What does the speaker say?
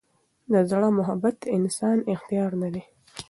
د زړه محبت د انسان اختیار نه دی.